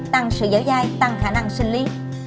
tăng sự giảm dai tăng khả năng sinh lý